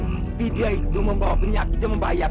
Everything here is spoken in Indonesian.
tapi dia itu membawa penyakit dan membahayakan